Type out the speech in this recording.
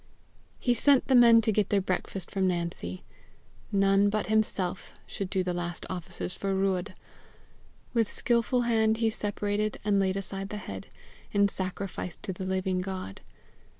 He sent the men to get their breakfast from Nancy: none but himself should do the last offices for Ruadh! With skilful hand he separated and laid aside the head in sacrifice to the living God.